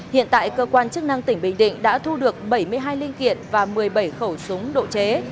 hiện tại cơ quan chức năng tỉnh bình định đã thu được bảy mươi hai linh kiện và một mươi bảy khẩu súng độ chế